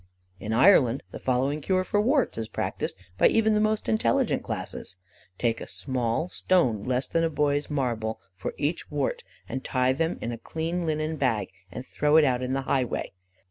In Ireland, the following cure for warts is practised by even the most intelligent classes: "Take a small stone, less than a boy's marble for each wart, and tie them in a clean linen bag, and throw it out on the highway.